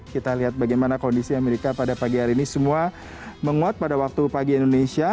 kita lihat bagaimana kondisi amerika pada pagi hari ini semua menguat pada waktu pagi indonesia